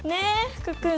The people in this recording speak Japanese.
福君！